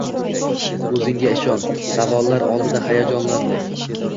Oʻzingga ishon, savollar oldida hayajonlanma.